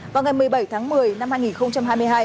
vào ngày một mươi bảy tháng một mươi năm hai nghìn hai mươi hai